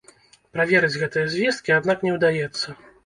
Праверыць гэтыя звесткі, аднак, не ўдаецца.